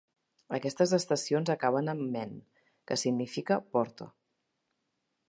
Aquestes estacions acaben amb "men", que significa 'porta'.